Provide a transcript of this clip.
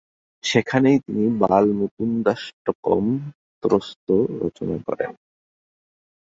সেখানেই তিনি "বালমুকুন্দাষ্টকম্" স্তোত্র রচনা করেন।